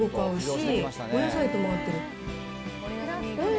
おいしい。